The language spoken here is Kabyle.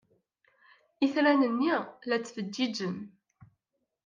Itran-nni la ttfeǧǧiǧen.